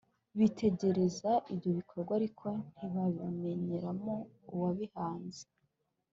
bitegereza ibyo bikorwa, ariko ntibabimenyeramo Uwabihanze.